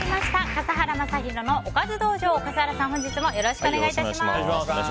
笠原さん、本日もよろしくお願いいたします。